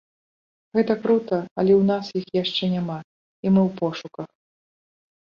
Гэта крута, але ў нас іх яшчэ няма, і мы ў пошуках.